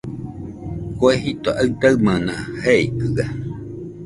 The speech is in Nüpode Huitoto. Kue jito aɨdaɨmana jeikɨga